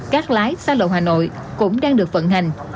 các lái xa lộ hà nội cũng đang được phận hành